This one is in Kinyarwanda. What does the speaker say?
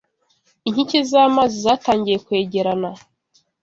inkike z’amazi zatangiye kwegerana